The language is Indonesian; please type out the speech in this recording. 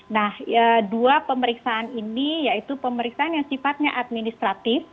nah dua pemeriksaan ini yaitu pemeriksaan yang sifatnya administratif